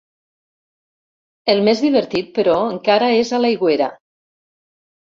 El més divertit, però, encara és a l'aigüera.